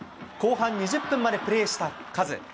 後半２０分までプレーしたカズ。